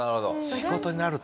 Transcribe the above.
仕事になると。